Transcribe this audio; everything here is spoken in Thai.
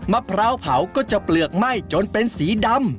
มะพร้าวเผาก็จะเปลือกไหม้จนเป็นสีดำ